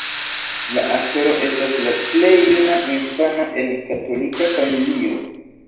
La aktoro estas la plej juna infano en katolika familio.